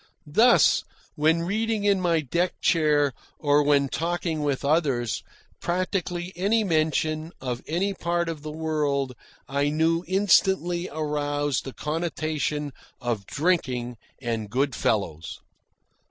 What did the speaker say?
Thus, when reading in my deck chair or when talking with others, practically any mention of any part of the world I knew instantly aroused the connotation of drinking and good fellows.